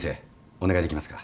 お願いできますか？